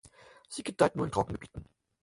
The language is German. Sie gedeiht nur in Trockengebieten.